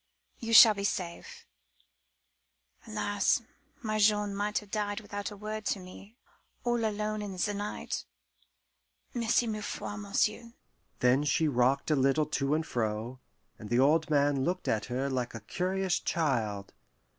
You shall be safe. Alas! my Jean might have died without a word to me all alone in the night. Merci mille fois, monsieur!" Then she rocked a little to and fro, and the old man looked at her like a curious child.